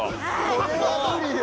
これは無理よ。